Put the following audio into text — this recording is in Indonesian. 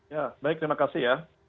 ya baik terima kasih ya